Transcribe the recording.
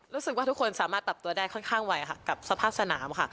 รู้สึกว่าทุกคนสามารถปรับตัวได้ค่อนข้างไวค่ะกับสภาพสนามค่ะ